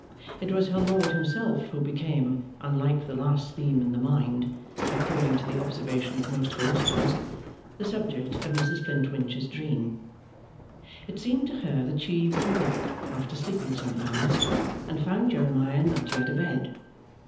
It was her lord himself who became unlike the last theme in the mind, according to the observation of most philosophers the subject of Mrs Flintwinch's dream. It seemed to her that she awoke after sleeping some hours, and found Jeremiah not yet abed.